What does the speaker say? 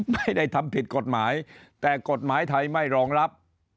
ไม่ได้ทำผิดกฎหมายแต่กฎหมายไทยไม่รองรับ